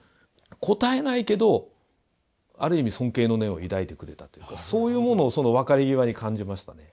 答えないけどある意味尊敬の念を抱いてくれたというかそういうものをその別れ際に感じましたね。